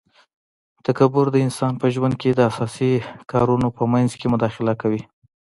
تکبر د انسان په ژوند کي د اساسي کارونو په منځ کي مداخله کوي